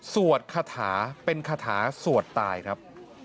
สวดขะถาเป็นขะถาสวดตายครับ